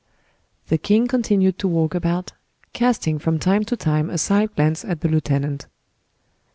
The king continued to walk about, casting from time to time a side glance at the lieutenant.